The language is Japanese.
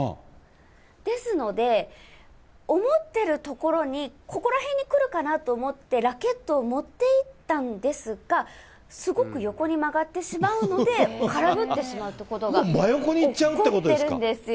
ですので、思ってる所に、ここら辺に来るかなと思って、ラケットを持っていったんですが、すごく横に曲がってしまうので、空ぶってしまうってことが起こってるんですよ。